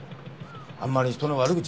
あんまり人の悪口